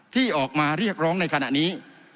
ที่ออกมาเรียกร้องในขณะนี้